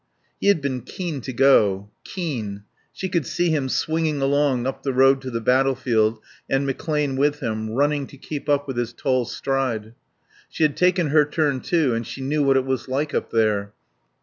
He had been keen to go. Keen. She could see him swinging along up the road to the battlefield and McClane with him, running to keep up with his tall stride. She had taken her turn too and she knew what it was like up there.